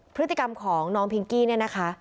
พฤติกรรมของน้องพิงกี้เนี่ยนะคะ